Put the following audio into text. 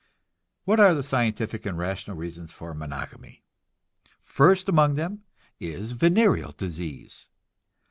What are the scientific and rational reasons for monogamy? First among them is venereal disease.